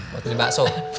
mau beli bakso